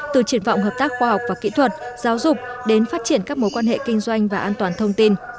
từ triển vọng hợp tác khoa học và kỹ thuật giáo dục đến phát triển các mối quan hệ kinh doanh và an toàn thông tin